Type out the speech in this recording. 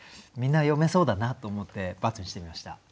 みんな詠めそうだなと思って×にしてみました。